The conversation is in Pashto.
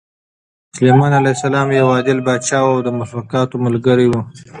سلیمان علیه السلام یو عادل پاچا او د مخلوقاتو ملګری و.